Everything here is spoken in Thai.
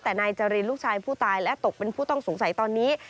แต่นายจรินลูกชายผู้ตายและตกเป็นผู้ต้องสงสัยตอนนี้